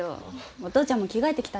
お父ちゃんも着替えてきたら？